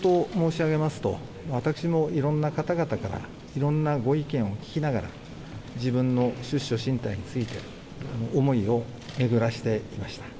心境と申し上げますといろんな方々からいろんなご意見を聞きながら自分の出処進退について思いを巡らしていました。